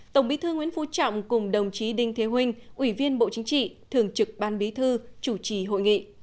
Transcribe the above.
tổng bí thư nguyễn phú trọng cùng đồng chí đinh thế huynh ủy viên bộ chính trị thường trực ban bí thư chủ trì hội nghị